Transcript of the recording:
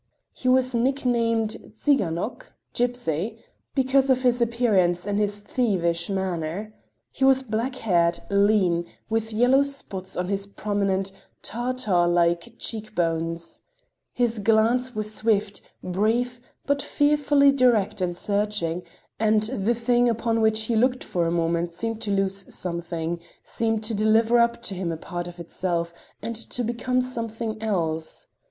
He was nicknamed Tsiganok (gypsy) because of his appearance and his thievish manner. He was black haired, lean, with yellow spots on his prominent, "Tartar like cheek bones. His glance was swift, brief, but fearfully direct and searching, and the thing upon which he looked for a moment seemed to lose something, seemed to deliver up to him a part of itself, and to become something else.